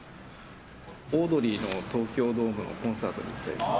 オードリーの東京ドームコンサートに行きたいです。